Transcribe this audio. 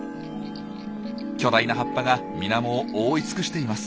巨大な葉っぱが水面を覆い尽くしています。